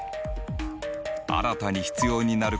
新たに必要になる